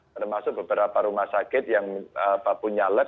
termasuk beberapa rumah sakit yang punya lab